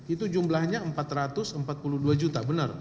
itu jumlahnya empat ratus empat puluh dua juta benar